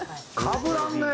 かぶらんね。